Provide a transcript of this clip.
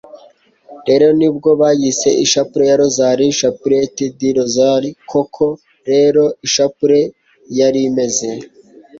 rero nibwo bayise ishapule ya rozari (chapelet du rosaire). koko rero ishapule yari imeze